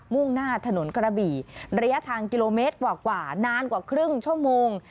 ่งหน้าถนนกระบี่ระยะทางกิโลเมตรกว่านานกว่าครึ่งชั่วโมง